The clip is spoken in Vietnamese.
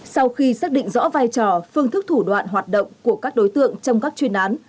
sau khi xác định rõ vai trò phương thức thủ đoạn hoạt động của các đối tượng trong các chuyên án